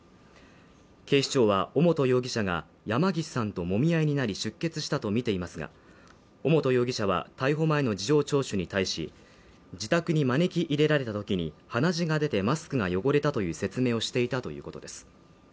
警視庁は尾本容疑者が山岸さんともみ合いになり出血したとみていますが、尾本容疑者は逮捕前の事情聴取に対し、自宅に招き入れられたときに鼻血が出てマスクが汚れたという説明をしていたということです